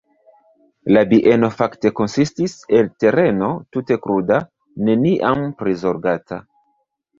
La bieno fakte konsistis el tereno tute kruda, neniam prizorgata.